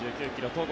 戸郷